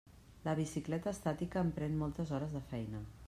La bicicleta estàtica em pren moltes hores de feina.